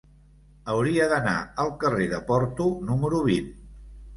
Hauria d'anar al carrer de Porto número vint.